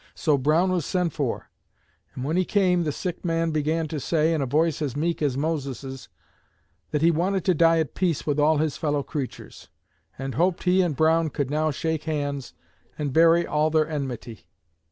So Brown was sent for, and when he came the sick man began to say, in a voice as meek as Moses', that he wanted to die at peace with all his fellow creatures, and hoped he and Brown could now shake hands and bury all their enmity.